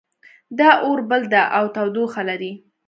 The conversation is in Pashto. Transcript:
دا اور بل ده او تودوخه لري